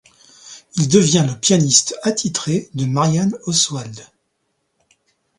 Il devient le pianiste attitré de Marianne Oswald.